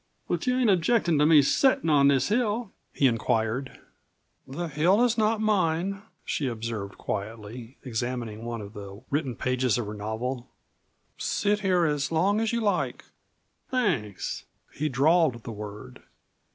But you ain't objectin' to me settin' on this hill?" he inquired. "The hill is not mine," she observed quietly, examining one of the written pages of her novel; "sit here as long as you like." "Thanks." He drawled the word.